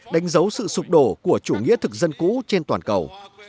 đánh dấu sự sụp đổ của chủ nghĩa thực dân cũ trên toàn cầu